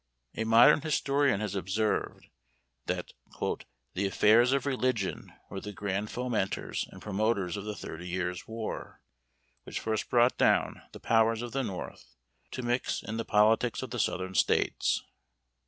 A modern historian has observed that "the affairs of religion were the grand fomenters and promoters of the Thirty Years' War, which first brought down the powers of the North to mix in the politics of the Southern states."